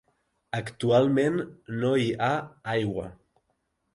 Actualment no hi ha aigua.